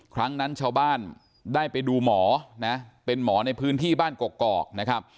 ครั้งนั้นชาวบ้านได้ไปดูหมอนะเป็นหมอในพื้นที่บ้านกอกนะครับ